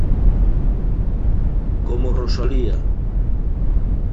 Como Rosalía.